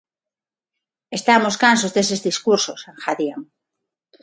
Estamos cansos deses discursos, engadían.